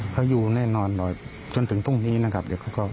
เขาอยู่แน่นอนหน่อยจนถึงตรงนี้นะครับ